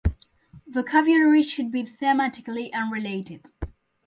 Vocabulary should be thematically unrelated.